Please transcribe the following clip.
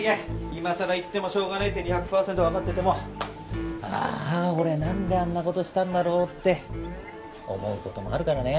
今さら言ってもしょうがないって２００パーセントわかってても「ああ俺はなんであんな事をしたんだろう」って思う事もあるからね。